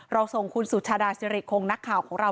เราส่งคุณสุชาดาซิริกคนของหนักข่าวของเรา